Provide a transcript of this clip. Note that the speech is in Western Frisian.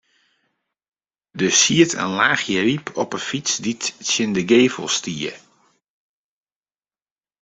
Der siet in laachje ryp op 'e fyts dy't tsjin de gevel stie.